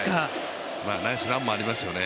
ナイスランもありますよね。